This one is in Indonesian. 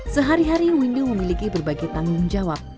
sehari hari windu memiliki berbagai tanggung jawab